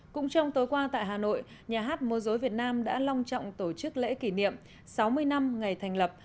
cũng trong tối qua tại hà nội nhà hát mô dối việt nam đã long trọng tổ chức lễ kỷ niệm sáu mươi năm ngày thành lập